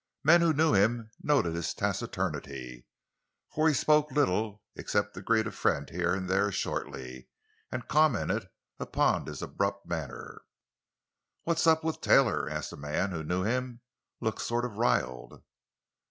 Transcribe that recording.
Men who knew him noted his taciturnity—for he spoke little except to greet a friend here and there shortly—and commented upon his abrupt manner. "What's up with Taylor?" asked a man who knew him. "Looks sort of riled."